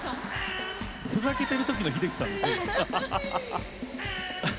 ふざけてる時の秀樹さんですね。